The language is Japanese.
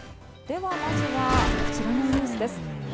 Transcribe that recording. では、まずはこちらのニュースです。